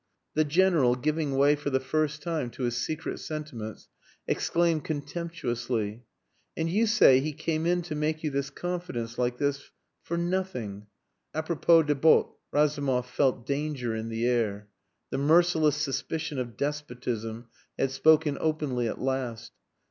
The General, giving way for the first time to his secret sentiments, exclaimed contemptuously "And you say he came in to make you this confidence like this for nothing a propos des bottes." Razumov felt danger in the air. The merciless suspicion of despotism had spoken openly at last.